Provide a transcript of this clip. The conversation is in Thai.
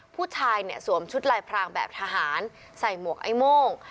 ผู้ชายเนี่ยสวมชุดลายพรางแบบทหารใส่หมวกไอ้โม่ง